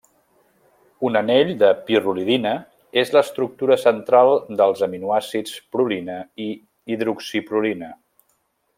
Un anell de pirrolidina és l'estructura central dels aminoàcids prolina i hidroxiprolina.